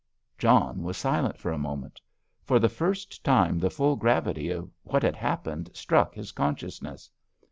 John was silent for a moment. For the first time the full gravity of what had happened struck his consciousness.